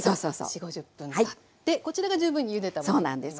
４０５０分たってこちらが十分にゆでたものになります。